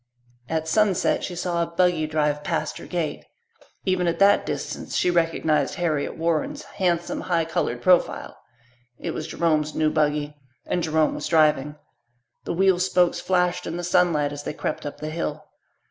At sunset she saw a buggy drive past her gate. Even at that distance she recognized Harriet Warren's handsome, high coloured profile. It was Jerome's new buggy and Jerome was driving. The wheel spokes flashed in the sunlight as they crept up the hill.